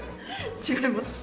違います。